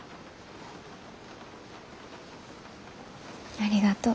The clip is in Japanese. ありがとう。